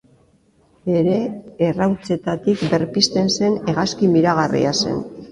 Bere errautsetatik berpizten zen hegazti miragarria zen.